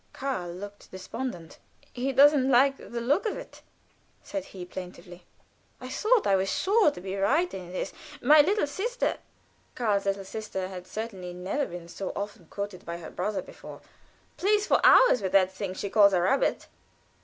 Karl looked despondent. "He doesn't like the look of it," said he, plaintively. "I thought I was sure to be right in this. My little sister" (Karl's little sister had certainly never been so often quoted by her brother before) "plays for hours with that thing that she calls a rabbit."